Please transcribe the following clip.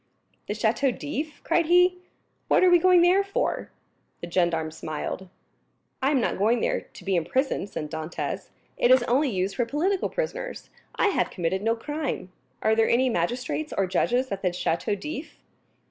"The Château d'If?" cried he, "what are we going there for?" The gendarme smiled. "I am not going there to be imprisoned," said Dantès; "it is only used for political prisoners. I have committed no crime. Are there any magistrates or judges at the Château d'If?"